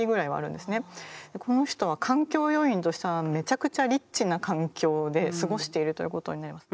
でこの人は環境要因としてはめちゃくちゃリッチな環境で過ごしているということになります。